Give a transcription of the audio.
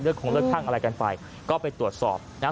เลือกของเลือกท่างอะไรกันไปก็ไปตรวจสอบนะ